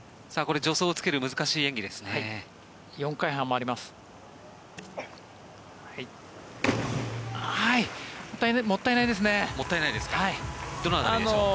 助走をつける難しい演技ですね。